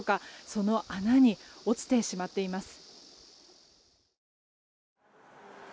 その穴に落ちてしまっています。